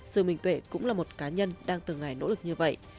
sự minh tuệ cũng là một cá nhân đang từng ngày nỗ lực như vậy